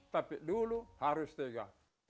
tapi dulu harus tiga